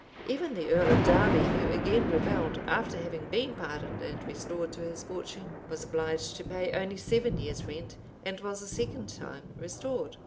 Even the earl of Derby, who again rebelled, after having been pardoned and restored to his fortune, was obliged to pay only seven years' rent, and was a second time restored.